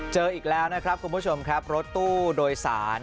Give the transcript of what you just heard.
เจออีกแล้วนะครับคุณผู้ชมครับรถตู้โดยสาร